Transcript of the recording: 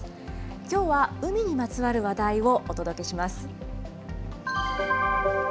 きょうは海にまつわる話題をお届けします。